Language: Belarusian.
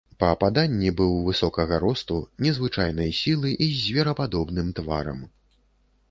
Па паданні быў высокага росту, незвычайнай сілы і з зверападобным тварам.